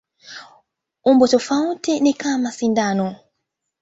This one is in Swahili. Umbo tofauti ni kama sindano.